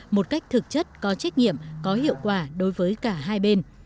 một cách thực chất có trách nhiệm có hiệu quả đối với cả hai bên